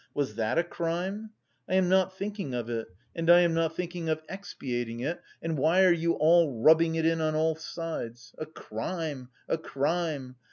Was that a crime? I am not thinking of it and I am not thinking of expiating it, and why are you all rubbing it in on all sides? 'A crime! a crime!